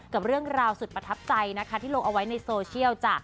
กับเรื่องราวสุดประทับใจนะคะที่ลงเอาไว้ในโซเชียลจ้ะ